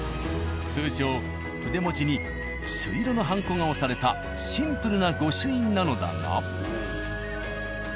通常筆文字に朱色のはんこが押されたシンプルな御朱印なのだが。